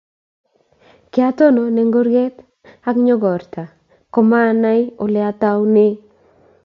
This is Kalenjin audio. Kiatonon eng kurget ak nyokorta komanai oleataunee